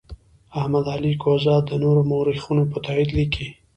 احمد علي کهزاد د نورو مورخینو په تایید لیکي.